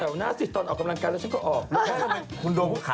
แถวหน้าสิตอนออกกำลังกันแล้วฉันก็ออก